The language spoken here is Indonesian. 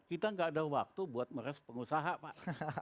kita nggak ada waktu buat meres pengusaha pak